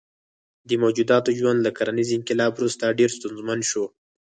دې موجوداتو ژوند له کرنیز انقلاب وروسته ډېر ستونزمن شو.